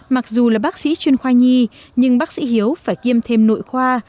mặc dù là bác sĩ chuyên khoa nhi nhưng bác sĩ hiếu phải kiêm thêm nội khoa